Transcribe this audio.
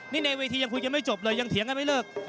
นี่ในเวทียังคุยกันไม่จบเลยยังเถียงกันไม่เลิก